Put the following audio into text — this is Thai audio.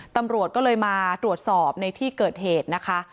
ตำรวจก็เลยมาตรวจสอบในที่เกิดเหตุนะคะ